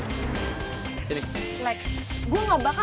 leksi gue ngobalkan